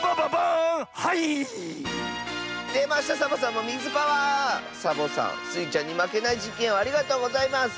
サボさんスイちゃんにまけないじっけんをありがとうございます！